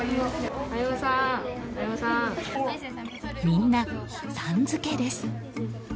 みんな、さん付けです。